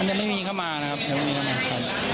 ยังไม่มีเข้ามานะครับยังไม่มีเข้ามาครับ